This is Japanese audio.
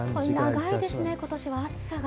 本当に長いですね、ことしは暑さが。